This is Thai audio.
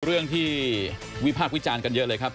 เรื่องที่วิพากษ์วิจารณ์กันเยอะเลยครับ